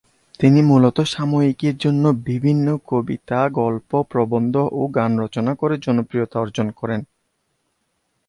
তিনি মূলত সাময়িকীর জন্য বিভিন্ন কবিতা, গল্প, প্রবন্ধ ও গান রচনা করে জনপ্রিয়তা অর্জন করেন।